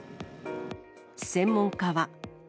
専門家は。